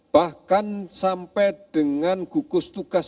bahkan sampai dengan gugus tugas